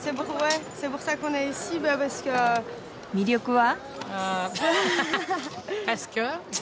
魅力は？